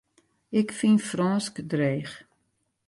Ik fyn Frânsk dreech.